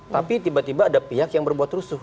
tapi tiba tiba ada pihak yang berbuat rusuh